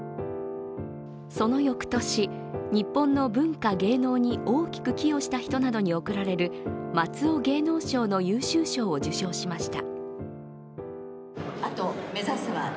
その翌年、日本の文化・芸能に大きく寄与した人などに贈られる松尾芸能賞の優秀賞を受賞しました。